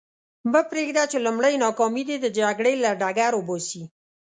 مه پرېږده چې لومړۍ ناکامي دې د جګړې له ډګر وباسي.